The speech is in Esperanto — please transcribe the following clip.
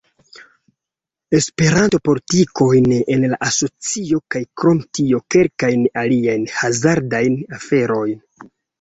Esperanto-politikojn en la asocio kaj krom tio, kelkajn aliajn hazardajn aferojn